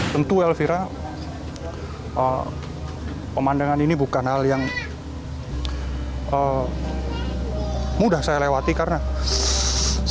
tentu elvira pemandangan ini bukan hal yang mudah saya lewati karena saya